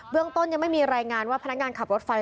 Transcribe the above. เรื่องต้นยังไม่มีรายงานว่าพนักงานขับรถไฟ